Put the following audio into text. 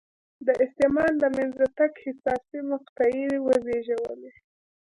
د استعمار له منځه تګ حساسې مقطعې وزېږولې.